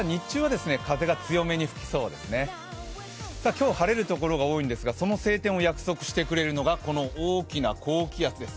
今日晴れるところが多いんですが、その晴天を約束してくれるのが、この大きな高気圧です。